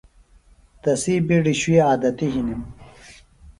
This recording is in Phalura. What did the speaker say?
تسی بِیڈیۡ شُوئی عادتیۡ ہِنم۔